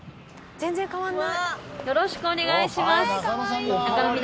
全然変わってない。